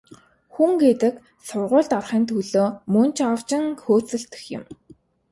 Хүн гэдэг сургуульд орохын төлөө мөн ч овжин хөөцөлдөх юм.